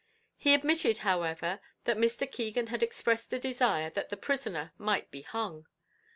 He admitted, however, that Mr. Keegan had expressed a desire that the prisoner might be hung.